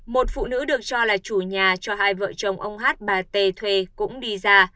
một phụ nữ được cho là chủ nhà cho hai vợ chồng ông hát bà t thuê cũng đi ra